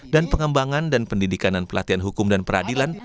dan pengembangan dan pendidikan dan pelatihan hukum dan peradilan